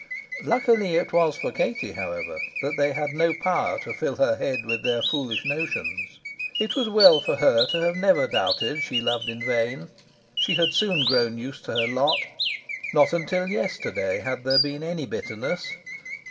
Luckily it was for Katie, however, that they had no power to fill her head with their foolish notions. It was well for her to have never doubted she loved in vain. She had soon grown used to her lot. Not until yesterday had there been any bitterness.